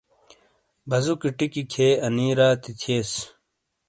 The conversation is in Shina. بازوکی ٹکی کھیئے انی راتی تھیئیس۔